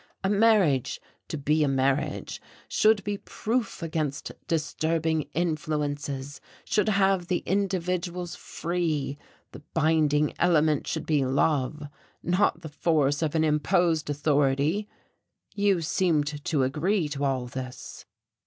A marriage, to be a marriage, should be proof against disturbing influences, should leave the individuals free; the binding element should be love, not the force of an imposed authority. You seemed to agree to all this."